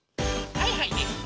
はいはいです！